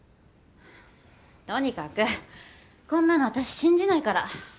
とにかくこんなの私信じないから。